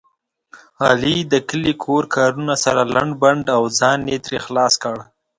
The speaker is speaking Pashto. علي د کلي کور کارونه سره لنډ بنډ او ځان یې ترې خلاص کړ.